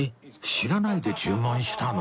知らないで注文したの？